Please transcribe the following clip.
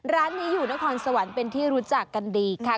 ร้านนี้อยู่นครสวรรค์เป็นที่รู้จักกันดีค่ะ